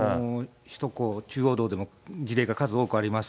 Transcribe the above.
首都高、中央道でも事例が数多くあります。